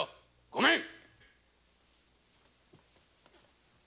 ごめん！